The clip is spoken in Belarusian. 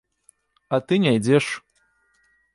А ты не ідзеш.